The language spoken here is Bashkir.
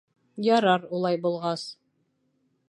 — Ярар, улай булғас.